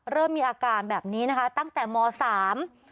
เริ่มมีอาการแบบนี้นะคะตั้งแต่มสาม